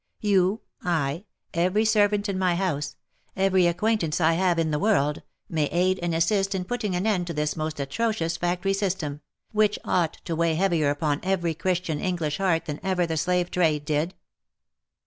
You — I — every servant in my house — every acquaintance I have in the world, may aid and assist in putting an end to this most atrocious factory system, which ought to weigh HEAVIER UPON EVERY CHRISTIAN ENGLISH HEART THAN EVER THE slave trade did.